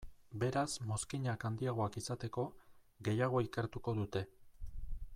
Beraz mozkinak handiagoak izateko, gehiago ikertuko dute.